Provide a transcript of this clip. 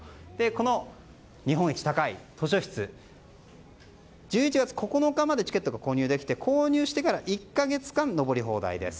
この日本一高い図書室は１１月９日までチケットが購入できて購入してから１か月間登り放題です。